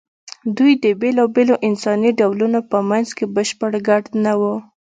دوی د بېلابېلو انساني ډولونو په منځ کې بشپړ ګډ نه وو.